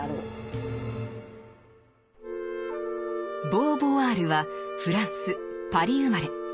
ボーヴォワールはフランス・パリ生まれ。